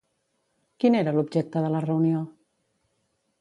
Quin era l'objecte de la reunió?